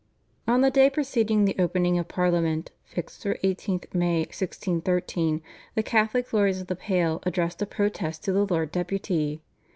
On the day preceding the opening of Parliament (fixed for 18th May 1613) the Catholic Lords of the Pale addressed a protest to the Lord Deputy.